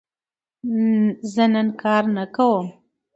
زه نن کار نه کوم.